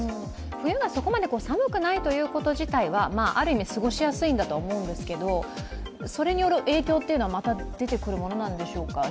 冬がそこまで寒くないということ自体はある意味過ごしやすいと思うんですけどそれによる影響というのは、また出てくるものでしょうか？